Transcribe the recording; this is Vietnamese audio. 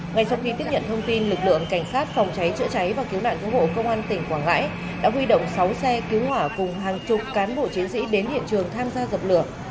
ngay sau khi tiếp nhận thông tin lực lượng cảnh sát phòng cháy chữa cháy và cứu nạn cứu hộ công an tỉnh quảng ngãi đã huy động sáu xe cứu hỏa cùng hàng chục cán bộ chiến sĩ đến hiện trường tham gia dập lửa